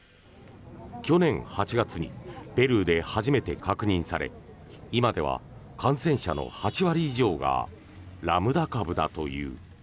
去年８月にペルーで初めて確認され今では感染者の８割以上がラムダ株だという。